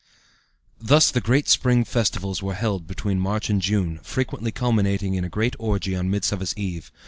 Thus the great spring festivals were held between March and June, frequently culminating in a great orgy on Midsummer's Eve.